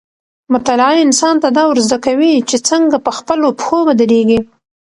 مطالعه انسان ته دا ورزده کوي چې څنګه په خپلو پښو ودرېږي.